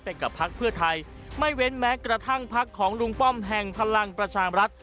กับพักเพื่อไทยไม่เว้นแม้กระทั่งพักของลุงป้อมแห่งพลังประชามรัฐ